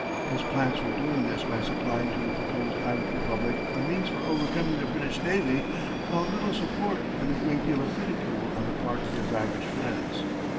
His plans for doing this by supplying to the proposed Irish Republic a means for overcoming the British navy found little support and a great deal of ridicule on the part of his Irish friends.